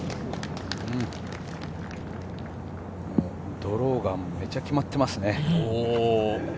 ドローがめちゃ決まっていますね。